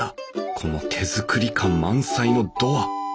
この手作り感満載のドア。